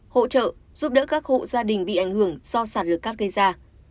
hỗ trợ giúp đỡ các hộ gia đình bị ảnh hưởng do sạt lở cát gây ra